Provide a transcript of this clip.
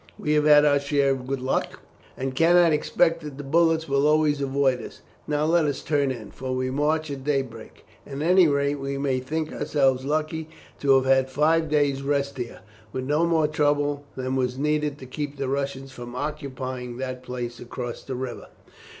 We have had our share of good luck, and cannot expect that the bullets will always avoid us. Now let us turn in, for we march at daybreak. At any rate, we may think ourselves lucky to have had five days' rest here, with no more trouble than was needed to keep the Russians from occupying that place across the river."